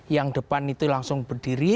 yang depan itu langsung berdiri